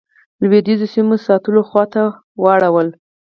لوېدیځو سیمو ساتلو خواته واړوله.